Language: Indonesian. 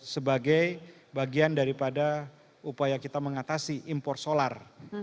sebagai bagian daripada upaya kita mengatasi impor solar